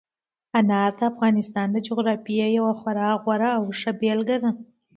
انار د افغانستان د جغرافیې یوه خورا غوره او ښه بېلګه ده.